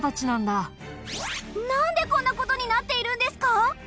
なんでこんな事になっているんですか！？